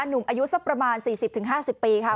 หนุ่มอายุสักประมาณ๔๐๕๐ปีค่ะ